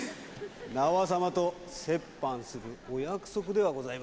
名和様と折半するお約束ではございませんか。